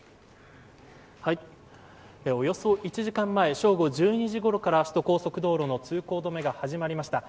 およそ１時間前正午１２時ごろから首都高速道路の通行止めが始まりました。